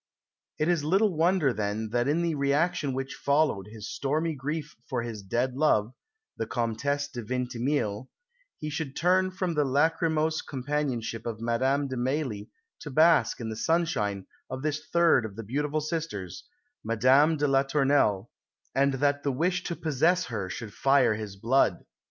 It is little wonder then that in the reaction which followed his stormy grief for his dead love, the Comtesse de Vintimille, he should turn from the lachrymose companionship of Madame de Mailly to bask in the sunshine of this third of the beautiful sisters, Madame de la Tournelle, and that the wish to possess her should fire his blood.